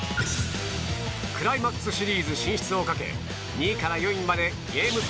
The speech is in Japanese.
クライマックスシリーズ進出をかけ２位から４位までゲーム差